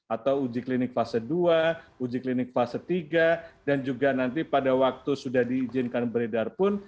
atau uji klinik fase dua uji klinik fase tiga dan juga nanti pada waktu sudah diizinkan beredar pun